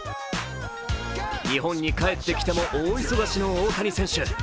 日本に帰ってきても大忙しの大谷選手。